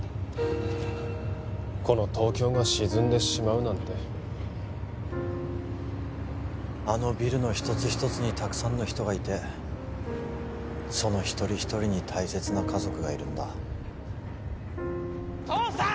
この東京が沈んでしまうなんてあのビルの一つ一つにたくさんの人がいてその一人一人に大切な家族がいるんだ父さん！